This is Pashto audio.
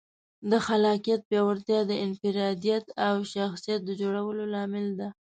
د خلاقیت پیاوړتیا د انفرادیت او شخصیت د جوړولو لامل ده.